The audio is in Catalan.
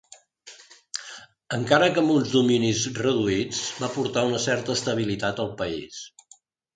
Encara que amb uns dominis reduïts va portar una certa estabilitat al país.